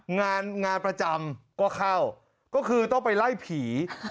งานงานประจำก็เข้าก็คือต้องไปไล่ผี